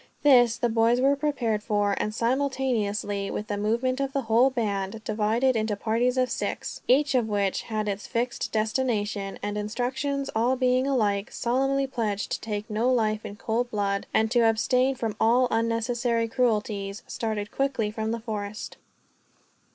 This the boys were prepared for, and simultaneously with the movement the whole band divided into parties of six, each of which had its fixed destination and instructions, all being alike solemnly pledged to take no life in cold blood, and to abstain from all unnecessary cruelties started quickly from the forest.